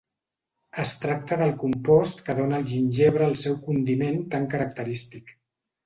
Es tracta del compost que dóna al gingebre el seu condiment tan característic.